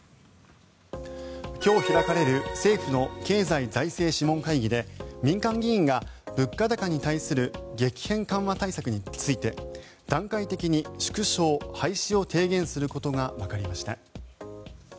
今日開かれる政府の経済財政諮問会議で民間議員が物価高に対する激変緩和対策について段階的に縮小・廃止を提言することがわかりました。